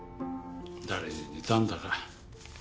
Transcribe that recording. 誰に似たんだか。